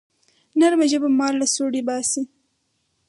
نرمه ژبه مار له سوړي باسي